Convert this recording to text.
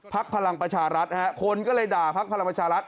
พลักษณ์พลังประชารัฐคนก็เลยด่าพลักษณ์พลังประชารัฐ